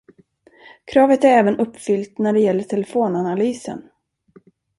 Kravet är även uppfyllt när det gäller telefonanalysen.